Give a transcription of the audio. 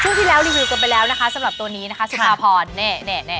ที่แล้วรีวิวกันไปแล้วนะคะสำหรับตัวนี้นะคะสุภาพรเนี่ย